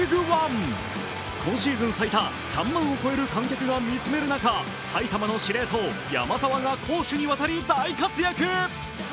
今シーズン最多、３万を超える観客が見つめる中埼玉の司令塔・山沢が攻守にわたり大活躍。